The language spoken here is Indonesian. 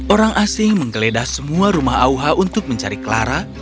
orang asing menggeledah semua rumah auha untuk mencari clara